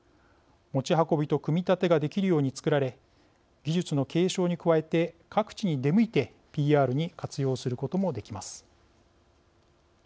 持ち運びと組み立てができるように作られ技術の継承に加えて各地に出向いてＰＲに活用することもできます。